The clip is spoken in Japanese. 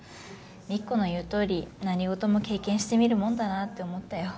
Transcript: みっこの言うとおり何事も経験してみるもんだなって思ったよ。